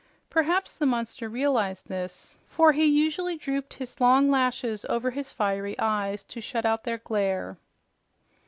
Perhaps the monster realized this, for he usually drooped his long lashes over his fiery eyes to shut out their glare.